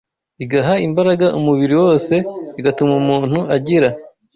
igaha imbaraga umubiri wose, igatuma umuntu agira